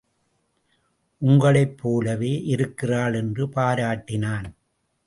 உங்களைப் போலவே இருக்கிறாள் என்று பாராட்டினான்.